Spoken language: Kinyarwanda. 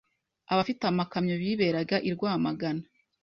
abafite amakamyo biberaga i Rwamagana.